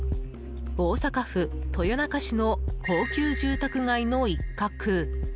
大阪府豊中市の高級住宅街の一角。